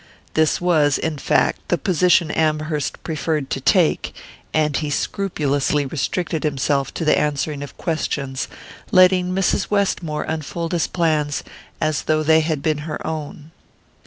This was, in fact, the position Amherst preferred to take, and he scrupulously restricted himself to the answering of questions, letting Mrs. Westmore unfold his plans as though they had been her own.